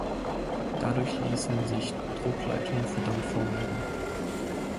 Dadurch ließen sich Druckleitungen für Dampf vermeiden.